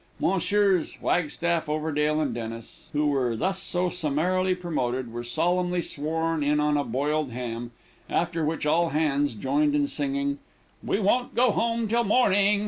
Messrs. Wagstaff, Overdale, and Dennis, who were thus so summarily promoted, were solemnly sworn in on a boiled ham, after which all hands joined in singing, "We won't go home till morning."